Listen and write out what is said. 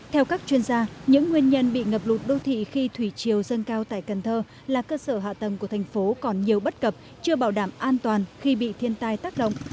theo các chuyên gia những nguyên nhân bị ngập lụt đô thị khi thủy chiều dâng cao tại cần thơ là cơ sở hạ tầng của thành phố còn nhiều bất cập chưa bảo đảm an toàn khi bị thiên tai tác động